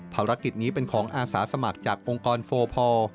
ภารกิจนี้เป็นของอาสาสมัครจากองค์กรโฟพอล